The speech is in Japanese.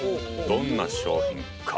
どんな商品か。